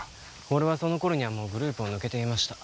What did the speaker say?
俺はその頃にはもうグループを抜けていました。